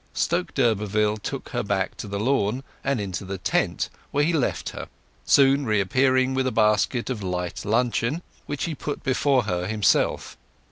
Stoke d'Urberville took her back to the lawn and into the tent, where he left her, soon reappearing with a basket of light luncheon, which he put before her himself.